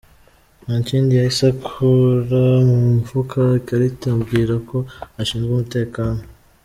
Nta kindi yahise akura mu mufuka ikarita ambwira ko ashinzwe umutekano.